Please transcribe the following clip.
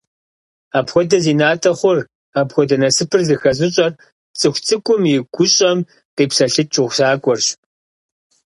Апхуэдэр зи натӀэ хъур, апхуэдэ насыпыр зыхэзыщӀэр цӀыху цӀыкӀум и гущӀэм къипсэлъыкӀ усакӀуэрщ.